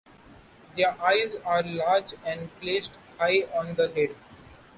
Their eyes are large and placed high on the head.